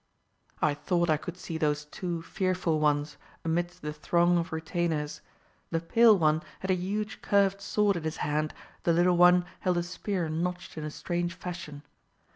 I thought I could see those two fearful ones amidst the throng of retainers. The pale one had a huge curved sword in his hand, the little one held a spear notched in a strange fashion.